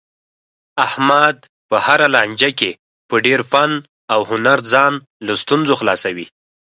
احمد په هره لانجه کې په ډېر فن او هنر ځان له ستونزو خلاصوي.